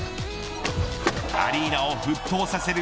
アリーナを沸騰させる